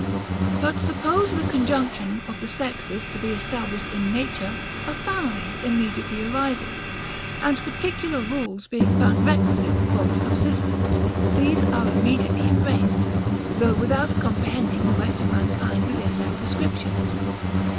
But suppose the conjunction of the sexes to be established in nature, a family immediately arises; and particular rules being found requisite for its subsistence, these are immediately embraced; though without comprehending the rest of mankind within their prescriptions.